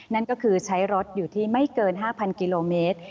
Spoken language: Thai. นั่นก็คือใช้รถอยู่ที่ไม่เกิน๕๐๐กิโลเมตร